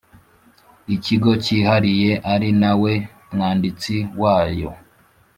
Ikigo cyihariye ari na we mwanditsi wayo